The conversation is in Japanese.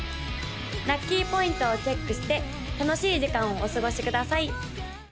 ラッキーポイントをチェックして楽しい時間をお過ごしください！